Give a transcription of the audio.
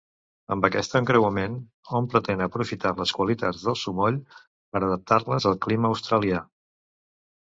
Amb aquest encreuament, hom pretén aprofitar les qualitats del sumoll per adaptar-les al clima australià.